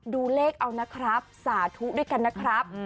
ดูเลขเอานะครับสาธุด้วยกันนะครับ